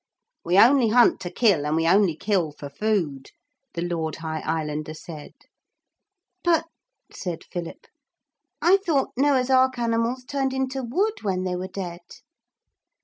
'We only hunt to kill and we only kill for food,' the Lord High Islander said. 'But,' said Philip, 'I thought Noah's ark animals turned into wood when they were dead?'